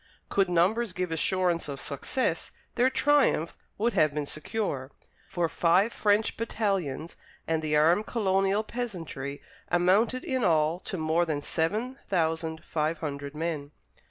Could numbers give assurance of success, their triumph would have been secure, for five French battalions and the armed colonial peasantry amounted in all to more than seven thousand five hundred men.